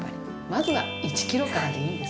まずは１ｋｇからでいいんです。